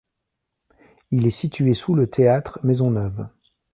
Il est situé sous le Théâtre Maisonneuve.